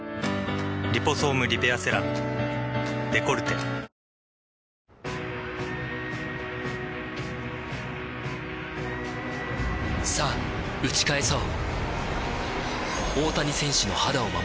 「リポソームリペアセラムデコルテ」さぁ打ち返そう